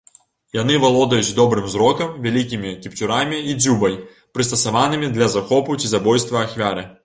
Яны валодаюць добрым зрокам, вялікімі кіпцюрамі і дзюбай, прыстасаванымі для захопу ці забойства ахвяры.